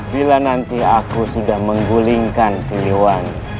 bila nanti aku sudah menggulingkan siliwan